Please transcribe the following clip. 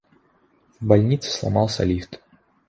В больнице сломался лифт.